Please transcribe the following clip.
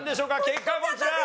結果こちら！